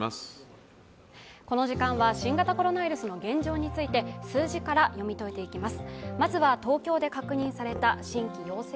この時間は新型コロナウイルスの現状について数字から読み解いていきます。